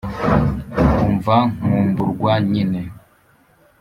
Umva Nkumburwa nyine